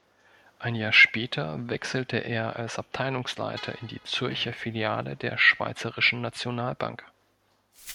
Ein Jahr später wechselte er als Abteilungsleiter in die Zürcher Filiale der Schweizerischen Nationalbank.